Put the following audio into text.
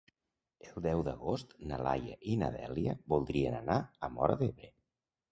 El deu d'agost na Laia i na Dèlia voldrien anar a Móra d'Ebre.